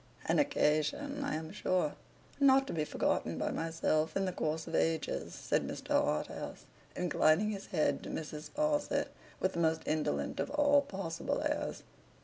'An occasion, I am sure, not to be forgotten by myself in the course of Ages,' said Mr. Harthouse, inclining his head to Mrs. Sparsit with the most indolent of all possible airs.